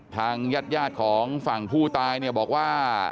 ทางญาติของฝั่งผู้ตายเนี่ยบอกว่า